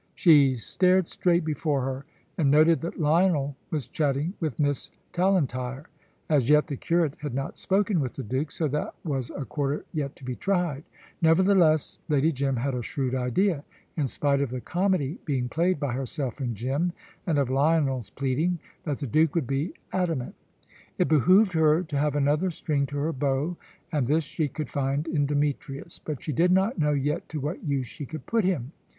She stared straight before her, and noted that Lionel was chatting with Miss Tallentire. As yet the curate had not spoken with the Duke, so that was a quarter yet to be tried. Nevertheless, Lady Jim had a shrewd idea, in spite of the comedy being played by herself and Jim, and of Lionel's pleading, that the Duke would be adamant. It behoved her to have another string to her bow, and this she could find in Demetrius. But she did not know yet to what use she could put him.